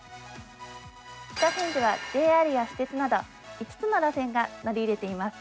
北千住は、ＪＲや私鉄など５つの路線が乗り入れています。